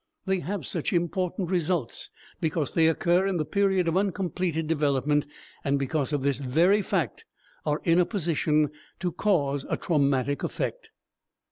They have such important results because they occur in the period of uncompleted development, and because of this very fact are in a position to cause a traumatic effect.